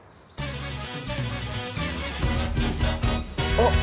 あっ。